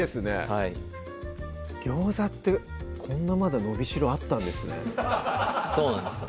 はい餃子ってこんなまだ伸びしろあったんですねそうなんです